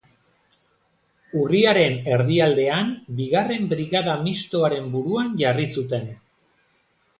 Urriaren erdialdean Bigarren Brigada Mistoaren buruan jarri zuten.